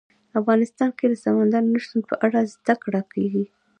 افغانستان کې د سمندر نه شتون په اړه زده کړه کېږي.